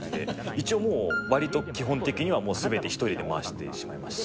一応もうわりと基本的にはもうすべて１人で回してしまいます。